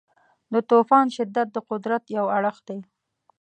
د طوفان شدت د قدرت یو اړخ دی.